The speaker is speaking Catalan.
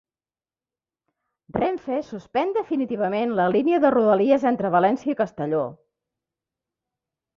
Renfe suspèn definitivament la línia de Rodalies entre València i Castelló